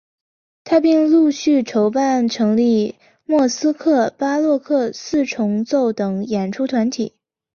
他并陆续筹办成立莫斯科巴洛克四重奏等演出团体。